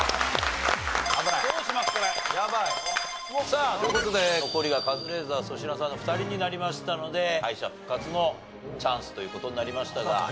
さあという事で残りはカズレーザー粗品さんの２人になりましたので敗者復活のチャンスという事になりましたが。